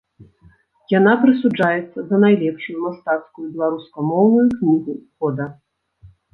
Яна прысуджаецца за найлепшую мастацкую беларускамоўную кнігу года.